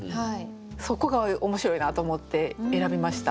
そこが面白いなと思って選びました。